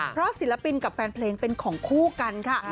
เพราะศิลปินกับแฟนเพลงเป็นของคู่กันค่ะ